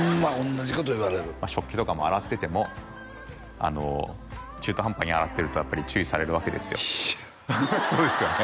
同じこと言われる食器とかも洗ってても中途半端に洗ってるとやっぱり注意されるわけですよ一緒やそうですよね